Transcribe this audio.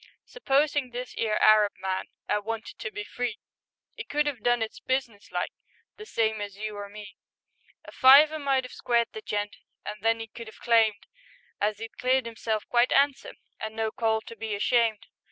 Supposin' this 'ere Arab man 'Ad wanted to be free, 'E could 'ave done it businesslike, The same as you or me; A fiver might 'ave squared the gent, An' then 'e could 'ave claimed As 'e'd cleared 'imself quite 'andsome, And no call to be ashamed.